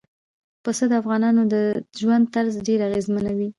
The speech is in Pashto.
پسه د افغانانو د ژوند طرز ډېر اغېزمنوي.